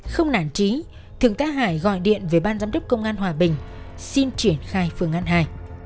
không nản trí thượng tá hải gọi điện về ban giám đốc công an hòa bình xin triển khai phương án hai